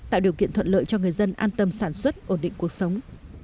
tạo điều kiện thuận lợi cho người dân an tâm sản xuất ổn định cuộc sống